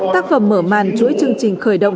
tác phẩm mở màn chuỗi chương trình khởi động